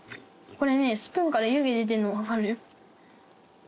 これねスプーンから湯気出てるのわかる？